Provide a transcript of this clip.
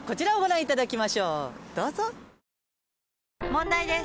問題です！